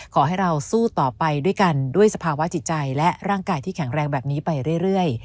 ขอให้เราสู้ต่อไปด้วยกันด้วยสภาวะจิตใจและร่างกายที่แข็งแรงแบบนี้ไปเรื่อย